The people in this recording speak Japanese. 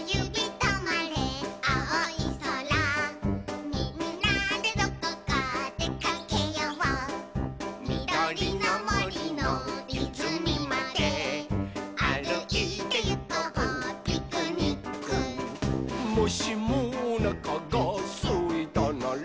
とまれあおいそら」「みんなでどこかでかけよう」「みどりのもりのいずみまであるいてゆこうピクニック」「もしもおなかがすいたなら」